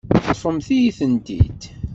Teṭṭfemt-iyi-tent-id.